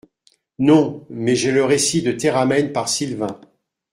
Non ! mais j'ai le récit de Théramène par Silvain.